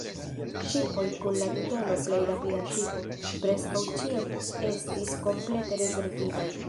Ŝipoj kun la titolo "plej rapida ŝipo" preskaŭ ĉiam estis komplete rezervitaj.